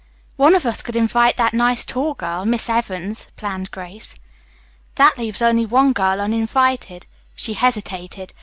"One of us could invite that nice tall girl, Miss Evans," planned Grace. "That leaves only one girl uninvited." She hesitated.